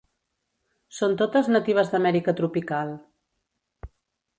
Són totes natives d'Amèrica tropical.